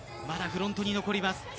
まだフロントに残ります。